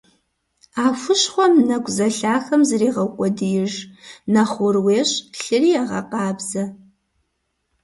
А хущхъуэм нэкӀу зэлъахэм зрегъэукъуэдииж, нэхъ гъур уещӀ, лъыри егъэкъабзэ.